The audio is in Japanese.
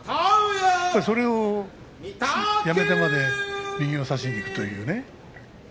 それをやめてまで右を差しにいくというね。